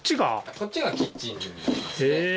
こっちがキッチンになりますね。